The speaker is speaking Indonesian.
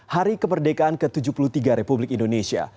hari kemerdekaan ke tujuh puluh tiga republik indonesia